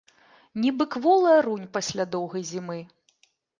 Нібы кволая рунь пасля доўгай зімы.